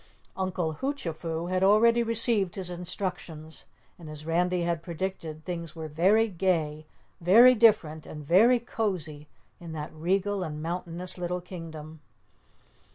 Uncle Hoochafoo had already received his instructions and as Randy had predicted things were very gay, very different and very cozy in that regal and mountainous little Kingdom.